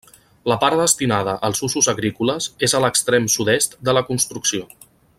La part destinada als usos agrícoles és a l'extrem sud-est de la construcció.